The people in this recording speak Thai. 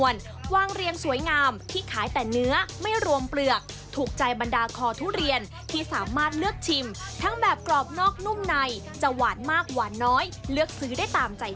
ทั้งหมดเนื่องจากบางเม็ดเละ